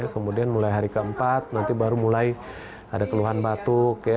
kemudian mulai hari keempat nanti baru mulai ada keluhan batuk